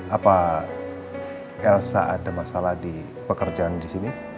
apa elsa ada masalah di pekerjaan di sini